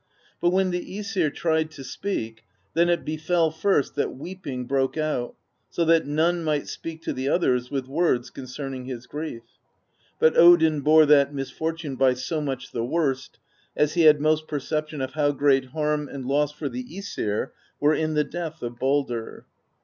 But when the JEs'ir tried to speak, then it befell first that weeping broke out, so that none might speak to the others with words concerning his grief. But Odin bore that misfortune by so much the worst, as he had most perception of how great harm and loss for the iEsir were in the death of Baldr.